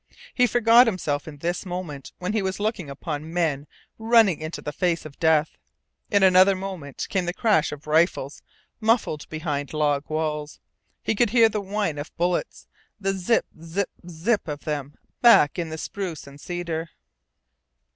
He forgot himself in this moment when he was looking upon men running into the face of death. In another moment came the crash of rifles muffled behind log walls. He could hear the whine of bullets, the ZIP, ZIP, ZIP of them back in the spruce and cedar.